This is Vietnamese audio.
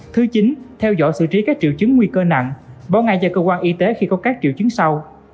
thứ chín theo dõi xử trí các triệu chứng nguy cơ nặng báo ngay cho cơ quan y tế khi có các triệu chứng sau